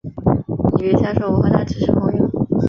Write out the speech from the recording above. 你别瞎说，我和他只是朋友